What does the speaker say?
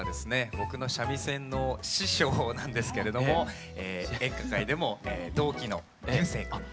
僕の三味線の師匠なんですけれども演歌界でも同期の彩青くんです。